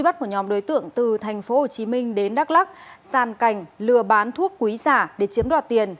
bắt một nhóm đối tượng từ tp hcm đến đắk lắc sàn cảnh lừa bán thuốc quý giả để chiếm đoạt tiền